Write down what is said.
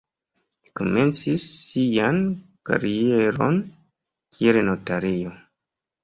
Li komencis sian karieron kiel notario.